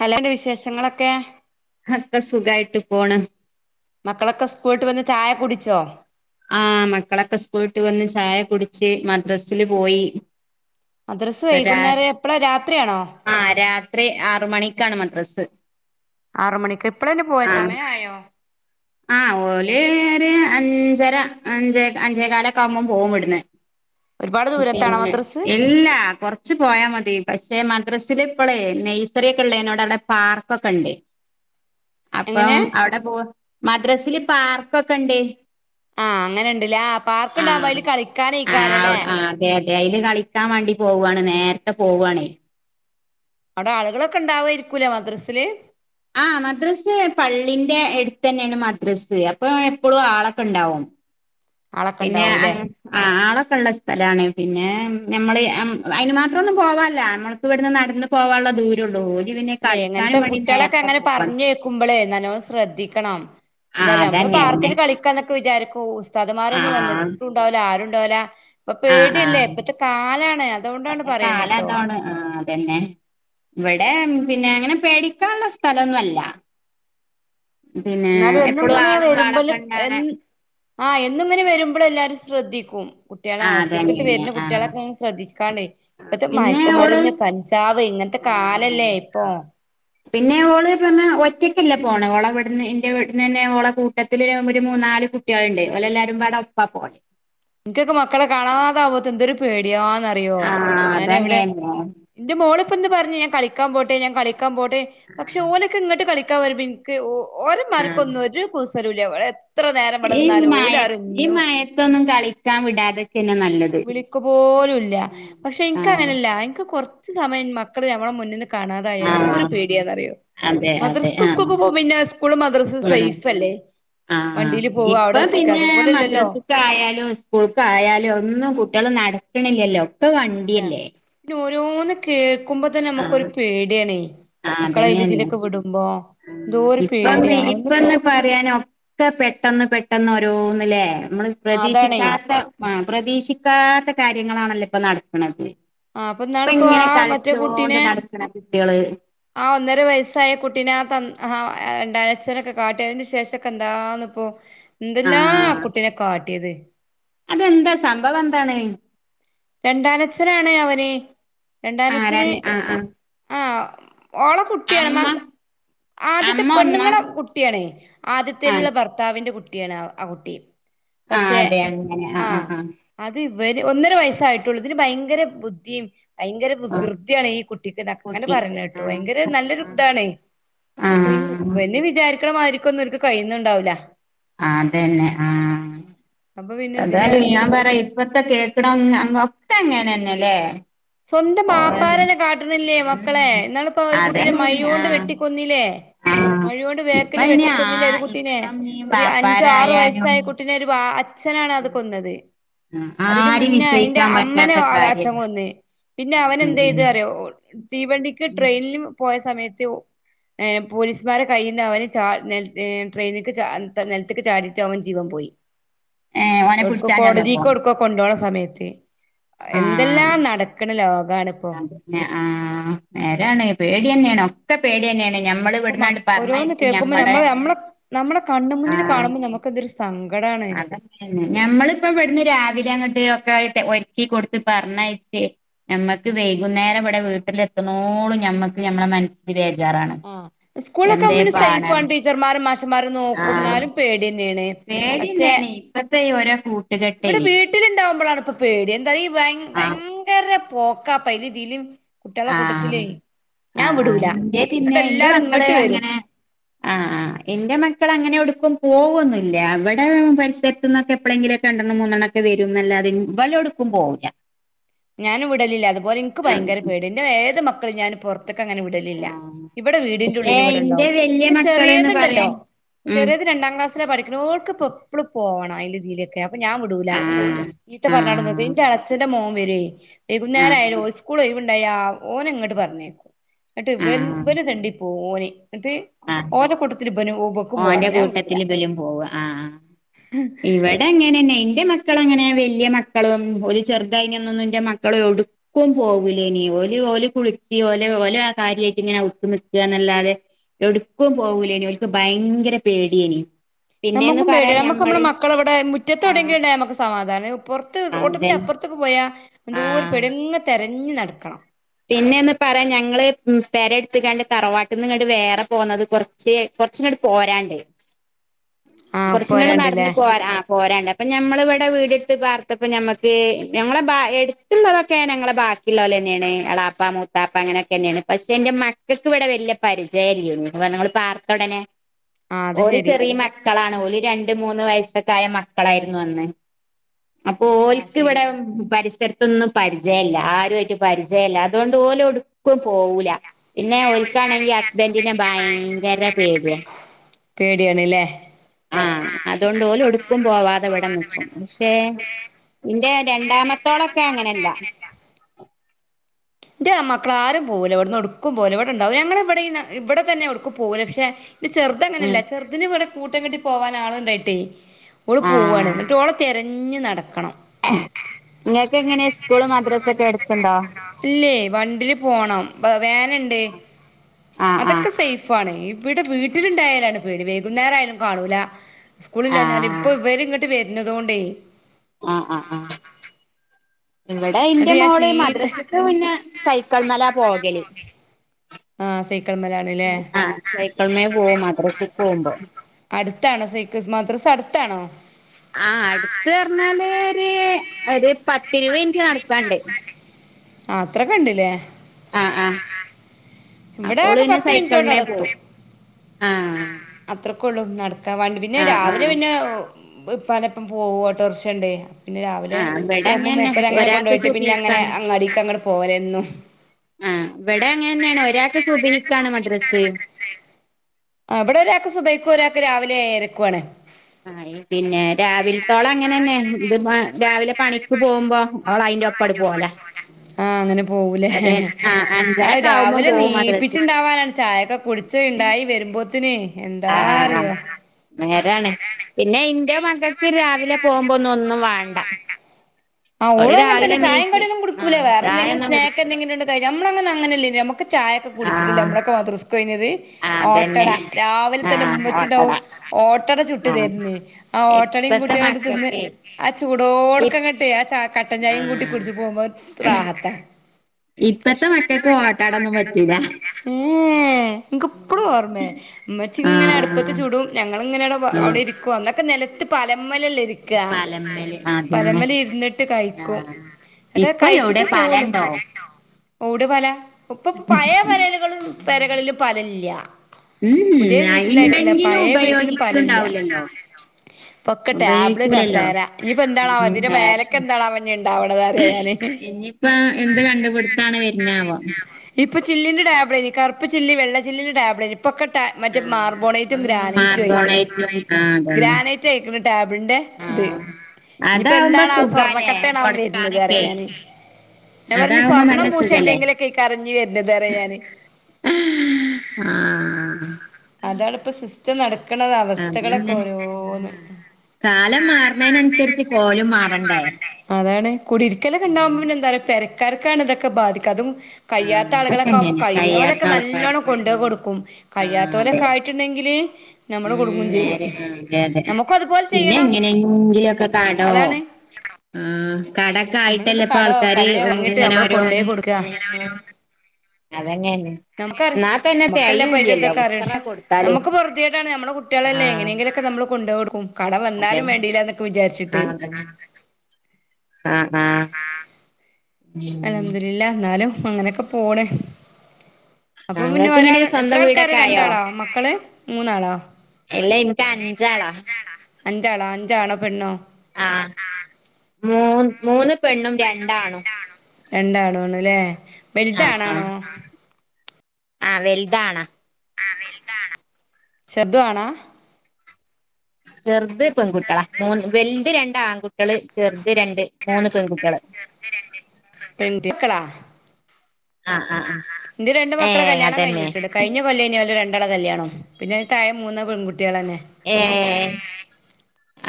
ഹലോണ്ട് വിശേഷങ്ങളൊക്കെ ഒക്കെ സുഖായിട്ട് പോണ് മക്കളൊക്കെ സ്കൂള്ട്ട് വന്ന് ചായ കുടിച്ചോ ആ മക്കളൊക്കെ സ്കൂള്ട്ട് വന്ന് ചായ കുടിച്ച് മദ്രസില് പോയി മദ്രസ്സ് ഇപ്പ രാ വൈകുന്നേരം എപ്പളാ രാത്രിയാണോ? ആഹ് രാത്രി ആറ് മണിക്കാണ് മദ്രസ് ആറു മണിക്ക് ഇപ്പളന്നെ പോയ ആഹ് സമയം ആയോ? ആഹ് ഓല് ഒര് അഞ്ചര അഞ്ചേ അഞ്ചേ കാലൊക്കെ ആവുമ്പം പോകും ഇവ്ട്ന്ന് ഒരുപാട് ദൂരത്താണോ പിന്നെ മദ്രസ് ഇല്ലാ കൊറച്ച് പോയാ മതി പഷ് ദേ മദ്രസില് ഇപ്പളെ നയ്സറിക്കെ ഉള്ളനോട് അവ്ടെ പാർക്കൊക്കെണ്ട് അപ്പം എങ്ങനെ അവ്ടെ പോ മദ്രസില് പാർക്കൊക്കെണ്ടേ ആഹ് അങ്ങനെണ്ട്ലെ ആ പാർക്കുണ്ടാവ്മ്പോ ആഹ് അയ്ല് ആഹ് കളിക്കാനയ്ക്കാരലെ ആഹ് അതെ അതെ അയ്ല് കളിക്കാൻ വാണ്ടി പോവാണ് നേരത്തെ പോവ്വാണേ അവിടെ ആളുകളൊക്കെ ഇണ്ടാവ് രിക്കൂലെ മദ്രസില് ആ മദ്രസ് പള്ളിന്റെ എടുത്ത് തന്നെയാണ് മദ്രസ് അപ്പൊ എപ്പളും ആളൊക്കെ ണ്ടാവും ആളൊക്കെ പിന്നെ ഉണ്ടാവൂലേ അങ്ങ് ആളൊക്കെ ഉള്ള സ്ഥലാണെ പിന്നെ ഞമ്മള് അയിന് മാത്രം ഒന്നും പോവാല്ല നമ്മൾക്ക് ഇവ്ട്ന്ന് നടന്ന് പോവാൻള്ള ദൂരം ഒള്ളൂ ലെ ഇങ്ങനത്തെ കുട്ടികളൊക്കെ അങ്ങനെ പറഞ്ഞു കേക്കുമ്പളേ നല്ലോണം ശ്രദ്ധിക്കണം ആ എന്താ റയാ മ്മള് അതന്നെന്നെ പാർക്കില് കളിക്കാന്നെ ക്ക്‌ വിജാരിക്കും ആ ഉസ്താദ്മാരൊന്നും വന്നിട്ടുംണ്ടാവില്ല ആരുംണ്ടാ വൂല ഇപ്പൊ ആ ആ പേടില്ലേ ഇപ്പത്തെ കാലാണ് അതുകൊണ്ടാണ് പറയ്ണ് ട്ടോ പിന്നെ ഇവ്ടെ പിന്നെ അങ്ങനെ പേടിക്കാന്ള്ള സ്ഥലൊന്നുംഅല്ല ന്നാലും എന്നും ഇങ്ങനെ ആളും വരുമ്പല് പാളൊക്കെ ഉണ്ടാവണ എന്ന് ആഹ് എന്നുംങ്ങനെ വെരുമ്പഴ്‌ എല്ലാരും ശ്രദ്ധിക്കും കുട്ടളെ ആ ഒറ്റക്ക്‌ട്ട് അതന്നെന്നെ വരുന്ന ആ കുട്ടികളെക്കെ ശ്രദ്ധി ക്കാണ്ടെ ഇപ്പത്തെ പിന്നെ ഓള് മയക്കുമരുന്ന് കഞ്ചാവ് ഇങ്ങനത്തെ ആഹ് അതെ കാലല്ലേ ഇപ്പൊ ആഹ് പിന്നെ ഓള് പിന്നെ ഒറ്റക്കല്ല പോണെ ഓളെ ഇവ്ട്ന്ന് എന്റെ ഇവ്ട്ന്ന്ന്നെ ഓളെ കൂട്ടത്തില് ഒരു മൂന്നാള് കുട്ടിയാള്ണ്ട് ഓല് എല്ലാരും പാടെ ഒപ്പാ പോണെ നിക്ക്‌ക്കൊക്കെ മക്കളെ കാണാതാവ്മ്പത്തിന് എന്തൊരു പേടിയാ ന്നറിയോ ആഹ് ഞാന് ഇവ്ടെ അതങ്ങന്നെ ന്റെ മോള് പ്പ ഇന്ന് പറഞ് ഞാൻ കളിക്കാൻ പോട്ടെ ഞാൻ കളി ക്കാൻ പോട്ടെ പക്ഷേ ആഹ് ഓലൊക്കെ ഇങ്ങട്ട് കളിക്കാൻ വരുമ്പം ഇന്ക്ക് ഓര് ആഹ് ഉമ്മാർക്കൊന്നും ഒരു കുസ് സലുംല്ല ഓള് ഈ മയ ഈ മയത്തൊന്നും കളിക്കാൻ വിടാതെ വിളിക്ക്‌ പോലും ഇല്ല പക്ഷേ ഇൻക്ക് ആഹ് അങ്ങനെല്ല ഇൻക്ക് കൊറച്ച് സമയം മക്കള് ഞമ്മളെ മുന്നിന്ന് കാണാതായാ എന്തോരു ആഹ് പേടിയാന്നറിയോ അതെ അതെ മദ്രസ്ക്ക്‌ ആഹ് സ്കൂൾക്ക് പോകമ്പം പിന്നെ സ്കൂളും മദ്രസും ആഹ് സെയ്ഫ് അല്ലേ ആഹ് വണ്ടിയില് പോവാ അവിടെ ഇപ്പ നിക്ക പിന്നെ അതുപോലെല്ലല്ലോ മദ്രാസക്ക്‌ ആയാലും സ്കൂൾക്ക്‌ ആയാലും ഒന്നും കുട്ടിയാള് നടക്കണില്ലല്ലോ ഒക്കെ ഇല്ല വണ്ടിയല്ലേ പിന്നെ ഓരോന്ന് കേക്കുമ്പ തന്നെ ഞമ്മക്കൊരു ആഹ് പേടിയാണെ മക്കളെ അയില് ഇതിലൊക്കെ വിടുമ്പോ ഉം എന്തോരു ഇപ്പ പേടിയാ ഒന്ന് ഇപ്പന്ന് പറയാന് ഒക്കെ പെട്ടെന്ന് പെ പെട്ടെന്ന് ഓരോന്ന്ലെ മ്മള് അതാണേ പ്രതീക്ഷിക്കാത്ത പ്രതീക്ഷിക്കാത്ത കാര്യങ്ങളാണല്ലോ ഇപ്പ നടക്ക്‌ണ്ത് ആ അപ്പൊ ഇപ്പൊ ഇന്നാളിപ്പോ ആ ഇങ്ങനെ മറ്റേ കളിച്ചൊണ്ട് കുട്ടീനെ നടക്ക്‌ണ കുട്ടികള് ആ ഒന്നര വയസ്സായ കുട്ടിനെ ആ ത ആ രണ്ടാനച്ഛനൊക്കെ കാട്ട്യന് ശേഷക്കെ എന്താന്ന് പ്പൊ എന്തെല്ലാ ആ ആഹ് കുട്ടിനെ കാട്ടിയത് അതെന്താ സംഭവം എന്താണ് രണ്ടാനച്ഛനാണ് അവന് ആഹ് ര രണ്ടാനച്ഛന് ആഹ് ആഹ് ആ ഓളെ കുട്ടിയാണ് മ അമ്മ ആദ്യത്തെ അമ്മ ഒന്നാ പെണ്ണുങ്ങളെ കുട്ടിയാണ് ആഹ് ആദ്യത്തേലുള്ള ഭർത്താവിന്റെ കുട്ടിയാണ് ആ കുട്ടി ആഹ് പക്ഷേ അതെ അങ്ങനെ ആഹ് ആ ആഹ് ആഹ് അത് ഇവര് ഒന്നര വയസ്സായിട്ടൊള്ളൂ ഇതിന് ഭയങ്കര ബുദ്ധിയും ഭയങ്കര ആഹ് വികൃതിയാണ് ഈ കുട്ടിക്ക് അങ്ങനെ കുട്ടിക്ക് പറഞ്ഞയ്ണട്ടു ആഹ് ഭയങ്കര നല്ലൊരു ആഹ് ഇതാണെ അപ്പൊ ഇ ആഹ് വല്ലാവിചാരിക്കണ മാതിരിക്കൊ ഒന്നും ന്ക്ക് കഴിയന്നണ്ടാവില്ല. ആ അതന്നെ ആ അപ്പൊ പിന്നെ ഇതിനെ അതാലും ഞാൻ പറയാ ഇപ്പ ഇത്ത കേക്കണം ഒക്കെ അങ്ങനന്നെല്ലേ? സ്വന്തം ബാപ്പാരന്നെ കാട്ടണില്ലേ മക്കളെ എന്നാളിപ്പൊ ഒരു കുട്ടിനെ അതന്നെ മഴുണ്ട് ആഹ് വെട്ടിക്കൊന്നില്ലേ. ആഹ് മഴോണ്ട് ഇപ്പ വെക്കല് ഇനി ആ വെട്ടിക്കൊന്നില്ലേ ഒരു കുട്ടിനെ ഇപ്പം നീ ഒരു അഞ്ചോ ആറു വാപ്പാരായാലും വയസ്സായ കുട്ടിനെ ഒരു അച്ഛനാണ് അത് കൊന്നത് അതിന് ആരിം മുന്നേ അയിന്റെ വിശ്വയിക്കാൻ അമ്മനെ പറ്റാത്ത ഓലെ അച്ഛൻ കാര്യല്ലേ കൊന്ന് പിന്നെ അവൻ എന്താ ചെയ്ത് അറിയോ തീവണ്ടിക്ക് ട്രെയിനിന് പോയ സമയത്ത് എ പോലീസ്മാരെ കയ്യിൽന്ന് അവന് ച നിൽ ട്രെയിനിക്ക് നിലത്തേക്ക് ചാടിയിട്ട് അവൻ ജീവൻ പോയി. പോയി ഏഹ് ഓനെ എവിടുക്ക പിടിച്ചാൻ ചെന്നപ്പോ കോടതിക്കോ എവ്‌ട്‌ക്കോ കൊണ്ടണ സമയത്ത് എന്തെല്ലാം നടക്ക പിന്നെ ആ നേരാണ് പേടിന്നെയാണ് ഒക്കെ പേടിന്നെയാണ്. ഞമ്മള് ഇപ്പൊ മ ഇവിടുന്ന ഓരോന്ന് പറഞ്ഞച്ച കേൾക്കുമ്പോ ഞമ്മടെ നമ്മള് നമ്മളെ നമ്മളെ കണ്ണ് ആ മുന്നിൽ കാണുമ്പോ നമുക്ക് എന്തൊരു സങ്കടാണ് അതന്നെ തന്നെ ഞമ്മളിപ്പോ ഇവിടുന്ന് രാവിലെ അങ്ങോട്ട് ഒക്കെ ഒരുക്കി കൊടുത്ത് പറഞ്ഞയച്ചേ ഞമ്മക്ക് വൈകുന്നേരം ഇവിടെ വീട്ടിൽ എത്തുന്നോളും ഞമ്മക്ക് നമ്മുടെ മനസ്സിന് വെ ആ സ്കൂളൊക്കെവുമ്പോസേഫാണ്. ടീച്ചർമാരും മാഷന്മാരും നോക്കും ന്നാലും പേടിന്നെയാണ്. പേടിനെണ് ഇപ്പത്ത ഒരോകൂ ഇവിടെ വീട്ടിലുണ്ടാവുമ്പോളാണ് ഇപ്പ പേടി എന്താ ഭയ ആഹ് ഭയങ്കര പോക്കാപ്പാ അയിലി ഇതില ആ ആ ആ വിടൂല ഇന്റെ ന്നട്ട് പിന്നെ ഇന്റെ എല്ലാരും മക്കള് ഇങ്ങട്ട് വരും അങ്ങനെ ആ ആ ഇന്റെ മക്കൾ അങ്ങനെ എ പോകന്നില്ല അവിടെ പരിസരത്ത്ന് നിന്നൊക്കെ എപ്പോഴെങ്കിലൊക്കെ രണ്ടെണ്ണം മൂണ്ണാക്കെ വരും ന്നല്ലാതെ എടുക്കും പോകുല്ല. ഞാന് വിടലില്ല അതുപോലെനിക്ക് ഭയങ്കര പേടയ ഇന്റെ ഏത് മക്കളും ഞാൻ പുറ ഇതൊക്കെ അങ്ങനെ വിടലില്ല ആഹ് ഇവിടെ വീടിറ ന്റെ പക്ഷേ ഉള്ളിൽ ഇന്റെ ഇവിടെണ്ടാവും വല്യ ഇപ്പൊ മക്കള്ന്ന് ചെറിയതുണ്ടല്ലോ പറയാൻ ഉം ചെറിയരു രണ്ടാം ക്ലാസില പഠിക്ക ഓക്ക് ഇപ്പോൊ എപ്പഴും പോകണം അതിലെ ഇതിയിലൊക്കെ അപ്പൊ ഞാൻ വിടൂല ആഹ് ചീത്ത പറഞ്ഞോട ന ആഹ് എന്റെ എളച്ചന്റെ മോൻ വരോയ് വൈകുന്നേരം ആഹ് ആയാലോ സ്കൂളൊഴ്വ്ണ്ടായ ഓനെ ഇങ്ങോട്ട് പറഞ്ഞേക്കും നിട്ട് ആഹ് ഇവര് തെണ്ടിപ്പോ ഓനെ എന്നിട്ട് ആഹ് ഓരക്കൂട്ടത്തിൽ ഇപ ക്കും പോവണ ഓന്റെ ഞാൻ വിടൂല കൂട്ടത്തില് ഇബലും പോവ ആഹ് ഇവിടെ അങ്ങനെന്നെ എന്റെ മക്കള അങ്ങനെ വലിയ മക്കളും ഒരു ചെറുതായിതിനൊന്നൊന്നും ഇന്റെ മക്കള എവ്ട്ക്കും പോകൂലേനീ ഓലി ഓലി കുളിപ്പി ഓലെ ഓലെ ആ കാര്യമായിട്ടി ഇങ്ങനെ അവ്ത്ത് നിൽകന്നല്ലാതെ എടുക്കും പോകൂലനി ഓല്ക്ക് ഭയങ്കര പേടിയേനി പിന്നേന്ന് നമുക്കും പേടിയ പറയാൻ നമുക്ക് നമ്മുടെ ഞമ്മള് മക്കളെവിടെ മുറ്റത്തവിടെങ്കില ആഹ് ഉണ്ടൽ നമുക്ക് സമാധാനം പുറത്ത് റോട്ടുമ്മന്റെ അതന്നെ അപ്പുറത്തൊക്ക പോയാ എന്തൂര ആഹ് പേടിയാ ഇങ്ങനെ തെരഞ്ഞു നടക്കണം. പിന്നെന്ന് പറയാ ഞങ്ങള് പെര എടുത്ത് കാണ്ട് തറവാട്ടിൽ നിന്ന് വേറെ പോകുന്നത് കുറച്ച് കുറച്ചങ്ങ്ട്ട് പോരാണ്ട്. ആഹ് കുറച്ങ്ങ്ട്ട് നടന്നു പോരാണ്ടില്ലേ പോരാ ആ പോരാണ്ട് അപ്പൊ ഞമ്മള് ഇവിടെ വീടെടുത്ത് പാർത്തപ്പ ഞമ്മക്ക് ഞങ്ങളെ ബ എടുത്തുള്ളതോക്കെ ഞങ്ങളെ ബ ബാക്കിയുള്ള പോലെന്നെയാണ് അളാപ്പ മൂത്താപ്പ അങ്ങനെയൊക്കെ തന്നെയാണ്. പക്ഷെ എന്റെ മക്കൾക്ക് ഇവിടെ വലിയ പരിചയല്ലൊ നിങ്ങള് പാർത്ത ഉടനെ ആ അത് ഓല് ശരി. ചെറിയ മക്കളാണ് ഓല് രണ്ട് മൂന്ന് വയസ്സക്കായ മക്കളായിരുന്നു അന്ന്. അപ്പൊ ആഹ് ഓല്ക്ക് ശരി ഇവിടെ പരിസര ത്തൊന്നും പരിചയംയില്ല ആരുമായിട്ട് പരിചയംയില്ല അതുകൊണ്ട് ഓല് എടുക്കുംപോകൂല. പിന്നെ ഓല്ക്കാണെങ്കി ഓൽക്കാണെങ്കി ഹസ്ബന്റിനെ ഹസ്ബന്റിന്റെ ഭയങ്കര പേടിയാ. പേടിയണില്ലേ? ആഹ് അതുകൊണ്ട് ഓല് എടുക്കും പോവാതെ ഇവിടെ നിക്കും പക്ഷെ. ഇന്റെ രണ്ടാമത്തോളൊക്കെ അങ്ങനെയല്ല. മറ്റേ മക്കള ആരും പോകൂല എവിടുന്ന്ടുക്കും പോകുല ഇവിടെ ഉണ്ടാവും, ഞങ്ങള ഇവിടെന്ന് ഇവിടെ തന്നെ ഒടുക്കും പോകുല പക്ഷെ. ഇ ചെറുതങ്ങനല്ല ഉം ചെറുതിന് ഇവിടെ കൂട്ടം കെട്ടി പോവാന് ആളു ഉണ്ടായിട്ടേ. ഓള് പോവാണ് ആഹ് എന്നിട്ട് ഓളെ തിരഞ്ഞു നടക്കണം. നിങ്ങൾക്ക് എങ്ങനെ സ്കൂള് മദ്രസ ഒക്കെ എടുത്തുണ്ടോ വണ്ടിൽ പോണം വാന്ണ്ട് ആഹ് ആഹ് അതൊക്കെ സെയ്ഫാണ്. ഇവിടെ വീട്ടിലുണ്ടായാലാണ് പേടി വൈകുന്നേരയാലും കാണൂല, സ്കൂളില്ലാഞ്ഞാലും ആഹ് ഇപ്പ ഇവര് ഇങ്ങോ ട്ട് വരുന്നതോണ്ടേ. ആഹ് ആഹ് ആഹ് ഇവിടെ ഇന്റെ മോള് മദ്രസക്ക് പിന്നെ സൈക്കിളിന്മേലാ പോകല്. ആ സൈക്കിൾ മലാണല്ലേ ആ സൈക്കിളമേ പോക മദ്രസിൽ പോവുമ്പോ അടുത്താണോ സിക്ക് സ് മദ്രസ് അടുത്താണോ? ആ അടുത്ത് പറഞ്ഞാല് ഒരു പത്തിരുപത് മിനിറ്റ് നടക്കായുണ്ട്. അത്രക്ക് ഉണ്ടില്ലേ. ആ ആ. ഇവിടെ ഒക്കെ പത്ത് മിനിറ്റ് കൊണ്ട് അവിടെത്തു ആഹ് അത്രക്ക് യുള്ളൂ. നടക്കാൻ വേണ്ടി പിന്നെ ആഹ് രാവിലെ ആഹ് പിന്നെ ഇപ്പാൻ്റൊപ്പം പോവും ഒട്ടോറിക്ഷ ഉണ്ട്. പിന്നെ രാവിലെ ആഹ് ഇവിടെ പോകുമ്പോ അങ്ങനെന്നെ മുപ്പര് അങ്ങനെ കൊണ്ടു ഒരാൾക്ക് പോയിട്ട് പിന്നെ അങ്ങനെ സുബഹിക്കാണ് അങ്ങാടിക്ക് അങ്ങട് പോകല എന്നും. ആ ഇവിടെ അങ്ങനെതന്നെയാണ് ഒരാൾക്ക് സൂഫയിക്കാണ് മദ്രസ്സ്. ആ ഇവടെ ഒരാൾക്ക് സുഫൈക്കും ഒരാക്ക് രാവിലെ ഏഴരക്കുവാണ്. ആ പിന്നെ രാവിലത്തോളം അങ്ങനെ തന്നെ ഇത് രാവിലെ പണിക്ക് പോകുമ്പോ അവള് അയിൻ്റെ ഒപ്പങ്ങട് പോകലാ. പോല അത് അഞ്ചരൊക്കെ ആവുമ്പോ രാവിലെ പോവും മദ്രസക്ക് നീപ്പിച്ചുണ്ടാവാനാണ് ചായൊക്കെ കുടിച്ച് ഉണ്ടായി വരുമ്പോ എന്താ ആഹ് ആഹ് ആഹ് അറിയോ. നേരാണ്. പിന്നെ ഇൻ്റെ മക്കക്ക് രാവിലെ പോകുമ്പോ ഒന്നും വാണ്ട. ആ ഓള് അങ്ങന രാവിലെ തന്നെ ചായ നീച്ച് കടി ഒന്നും കുടിക്കൂല ആഹ് വേറെന്തെങ്കിലും ചായൊന്നും സ്നാക്ക് കുടിക്കൂല എന്തെങ്കിലും ഉണ്ട് കഴി നമ്മളങ്ങനെ അങ്ങനയല്ലേ നമ്മക്ക് ചായ ഒക്കെ കുടിച്ചിട്ട് ആഹ് നമ്മളൊക്കെ മദ്രസ്സ്ക്ക് പോയിന്നത്. ഓട്ടട അതന്നെ രാവിലെ ആഹ് ഓട്ടട തന്നെമ്മച്ചിണ്ടാവും ഓട്ടട ചുട്ട് ആഹ് തരുന്നേ ആ ഓട്ടടയും. ഇപ്പത്തെ കൂട്ടി കൊണ്ട് തിന്ന് മക്കക്കെ ആ ഇ ചൂടോട്ക്ക്. ട്ട ആ കട്ടചായയും കൂട്ടി കുടിച്ചു പോകുമ്പോ റാഹത്താ. ഇപ്പത്തെ മക്കൾക്ക് ഓട്ട്ടയൊന്നും പറ്റൂല. ഏഹ്. എനക്ക്പ്പഴും ഓർമ്മേ ഉമ്മച്ചി ഇങ്ങനെ അടുപ്പത്തെ ആഹ് ചൂടും ഞങ്ങളിങ്ങനെയട ആഹ് അവിടെ ഇരിക്കുവ അന്നൊക്കെ നിലത്ത് പലമേല് ഇരിക്കുക പലമ്മല് അതന്നെ പലമേല് ഇരി ന്നിട്ട് കഴിക്കും ആഹ് എന്നിട്ട് ഇപ്പൊ എവിടെ കഴിച്ചിട്ട് പൂവോളൂ. പലണ്ടോ ഓട് പല ഇപ്പ പഴയ പരകളിലും പേര ഉം കളിലും പലയില്ല. പുതിയ വീട്ടിലായിട്ടില്ല ഇണ്ടെങ്കിലും പഴയ വീട്ടിലും പലയില്ല. ഉപയോഗിക്ക്ണ്ടാവൂലല്ലോ ഇപ്പോക്കെ ടാബിള് ഉപയോഗിക്കൂലല്ലോ കസേര ഇനിപ്പൊ എന്താണോ ഉം അതിന്റെ മേലേ എന്താണവോ ഇനി ഇണ്ടാവണത് പറയുവാ ഞാന് ആ എന്ത്. [unintelligible] ഇനിയിപ്പ എന്ത് കണ്ടുപിടുത്താണ് വരുന്നാവോ ഇപ്പ ചില്ലിന്റെ ടാബ്‌ളാനി, കറുപ്പ് ചില്ല് വെള്ള ചില്ലിന്റെ ടേബിളായിരുന്നു. ഇപ്പൊക്കെ മറ്റേ മാർബോണൈറ്റും ഗ്രാനൈറ്റും ആയിക്കാണ്, മാർബോണേറ്റും ആഹ് അതന്നെ ഗ്രാനൈറ്റ് ആയിക്കാണ്. ടാബിളിന്റെ ഇത്, ആഹ് ഇനിയിപ്പോ അതാവുമ്പോ എന്താണവോ സ്വർ സുഖാലേ സ്വർണക്കട്ടയാണാവോ വരുന്നത് പറയാ തൊടക്കാനൊക്കെ ഞാന്. ഞാൻ പറഞ്ഞ് അതാവുമ്പോ സ്വർണം, നല്ല പൂശ്, സുഖല്ലേ എന്തെങ്കിലുലൊക്കെ അയ്ക്കാരം ഇനി വരുന്നത് പറയാ ഞാന്. ആഹ് അതാണ് ഇപ്പം സിസ്റ്റം നടക്കു അതന്നെ ആ കാലം മാറുന്നന്നുസരിച്ച് കോലും മാറണ്ടേ അതാണ് കുടി ഉം ഇരിക്കലൊക്കെണ്ടാകുമ്പോ പിന്നെന്തായാലും പെരക്കാർക്കാണ് ഇതൊകെ ബാധിക്ക അതും ആഹ് കഴിയാത്ത ആളുകളൊക്കെ ആകുമ്പോ അതൊക്കെങ്ങനെ കഴിയുന്ന കഴിയാത്ത പോലൊക്കെ നല്ലോണം ആൾക്കാർക്കും കൊണ്ടോയി ഉം കൊടുക്കും ആഹ് അതെ കഴിയാത്തലൊക്കെ ആയിട്ടുണ്ടെങ്കിൽ നമ്മള് കുടുങ്ങും ഉം ചെയ്യും നേരെ ആഹ് അതെ അതെ നമ്മുക്ക് അതുപോലെ ചെയ്യണം കഡോ അതാണ് ആ കടക്കെ നമ്മളിട്ട് ആയിട്ടല്ലേ ഇപ്പൊ കടോ ആൾക്കാര് കള്ളിയോ വാങ്ങിട്ട് ഇങ്ങനെ നമ്മള് കൊണ്ടോയി ഓരോന്നും കൊടുക്കുക ഉം അതന്നെ നമുക്ക നമുക്കല്ലെ അയിന്റെ ഇതൊക്കെ അറിയ എത്ര പക്ഷെ കൊടുത്താലും നമുക്ക് പൊറുതിയേടാണ് നമ്മെളെ കുട്ടിയാളല്ലെ ആഹ് എങ്ങനെങ്കിലുംക്കെ മ്മള് കൊണ്ടു കൊടുക്കും കടം വന്നാലും അതന്നെ വേണ്ടീല എന്നൊക്കെ വിചാരിച്ച് ആഹ് അതെ ആഹ് ആ ആ അൽഹംദുലില്ല എന്നാലും അങ്ങനെയൊക്കെ പോണ് അപ്പൊ പിന്നെ ഞങ്ങൾക്ക് ഇങ്ങനെ ഒരാള് എത്ര സ്വന്തം ആൾക്കാര വീടൊക്കെ രണ്ടാളാ മക്കള് മൂന്നാളാ? എല്ലാ എനിക്ക് അഞ്ചാളാ അഞ്ചാളോ അഞ്ചാണോ പെണ്ണോ ആഹ് മൂ മൂന്ന് പെണ്ണും രണ്ടാണും രണ്ടാണു ആണണല്ലേ ആഹ് വെൽദാണാണോ? ആഹ് ആഹ് വെൽതാണാ ചെർതും ആണാ? ചെറുത് പെൺകുട്ടികള മൂന്ന് വെൽത് രണ്ട് ആൺകുട്ട്യാള് ചെറുത് രണ്ട് മൂന്ന് പെങ്കുട്ട്യാള് [unintelligible] ആഹ് ആഹ് ആ ആഹ് ആ ന്റെ രണ്ടു മക്കളെ ഏഹ് കല്യാണം അതന്നെ കഴിഞ്ഞിട്ടുണ്ട് കഴിഞ്ഞ കൊല്ലേനു ഓലെ രണ്ട് കല്യാണം പിന്നെ താഴെ മൂന്ന് പെൺകുട്ടികളെന്നെ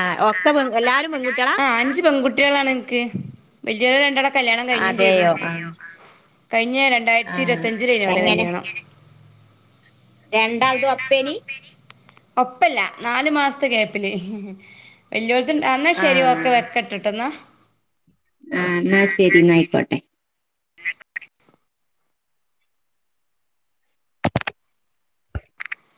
ആ ഒക്ക പെ എല്ലാരും പെൺകുട്ടികളാ ആ അഞ്ച് പെൺകുട്ടികളാണ് എൻക്ക് വല്യോലെ രണ്ടാളെ കല്യാണം കഴിഞ്ഞും ചെയ്തു അതെയോ ആഹ് കഴിഞ്ഞ രണ്ടായിരത്തി ആഹ് ഇരുപത്തഞ്ചിലെനു ഓലെ എങ്ങനെ കല്യാണം രണ്ടാൾതും ഒപ്പേനി? ഒപ്പല്ല നാല് മാസത്തെ ഗ്യാപ്പില് വല്യോളത് എന്നാ ശരി ആഹ് ഓക്കെ വെക്കട്ടെട്ടോ എന്നാ ആഹ് എന്നാ ശരി എന്നായിക്കോട്ടെ